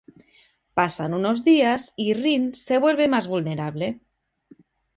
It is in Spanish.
Pasan unos días y Rin se vuelve más vulnerable.